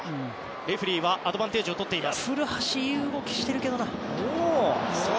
レフェリーはアドバンテージをとっています。